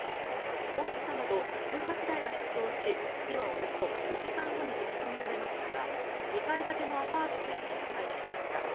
ポンプ車など１８台が出動し火はおよそ２時間後に消し止められましたが２階建てのアパートの一室が焼けました。